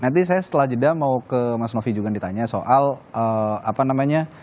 nanti saya setelah jeda mau ke mas novi juga ditanya soal apa namanya